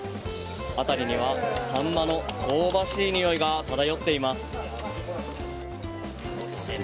辺りにはサンマの香ばしいにおいが漂っています。